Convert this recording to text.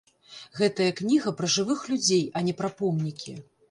Гэтая кніга пра жывых людзей, а не пра помнікі.